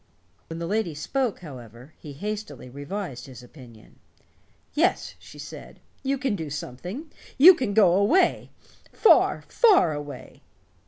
When the lady spoke, however, he hastily revised his opinion. "Yes," she said, "you can do something. You can go away far, far away."